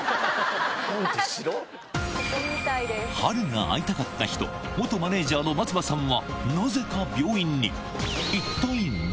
波瑠が会いたかった人、元マネージャーの松葉さんは、なぜか病院に。